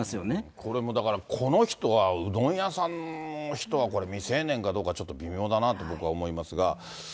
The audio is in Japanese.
これもだから、この人はうどん屋さんの人は、未成年かどうかちょっと微妙だなと僕は思いますが。